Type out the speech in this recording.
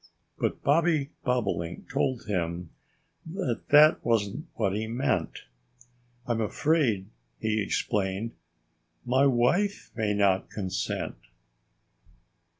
But Bobby Bobolink told him that that wasn't what he meant. "I'm afraid," he explained, "my wife may not consent!"